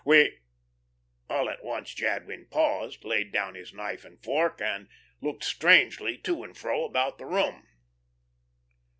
We " All at once Jadwin paused, laid down his knife and fork, and looked strangely to and fro about the room.